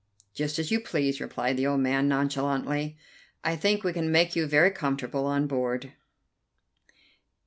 "Just as you please," replied the old man nonchalantly. "I think we can make you very comfortable on board."